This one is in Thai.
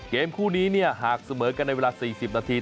เกมคู่นี้เนี่ยหากเสมอกันในเวลา๔๐นาที